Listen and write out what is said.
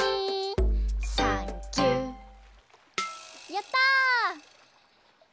やった！